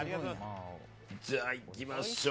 じゃあ、いきましょう。